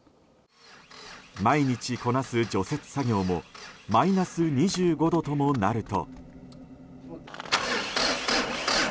毎日こなす除雪作業もマイナス２５度ともなると。